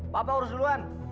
papa urus duluan